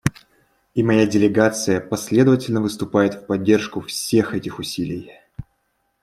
И моя делегация последовательно выступает в поддержку всех этих усилий.